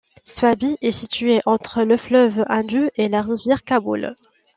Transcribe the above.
Swabi est situé entre le fleuve Indus et la rivière Kaboul.